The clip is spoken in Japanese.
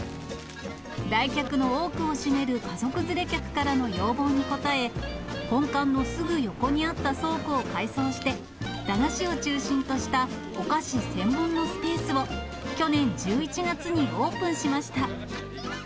来客の多くを占める家族連れ客からの要望に応え、本館のすぐ横にあった倉庫を改装して、駄菓子を中心としたお菓子専門のスペースを去年１１月にオープンしました。